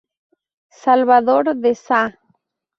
Salvador de Sá.